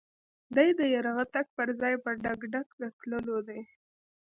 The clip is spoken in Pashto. دی د يرغه تګ پر ځای په ډګډګ د تللو دی.